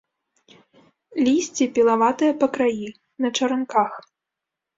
Лісце пілаватае па краі, на чаранках.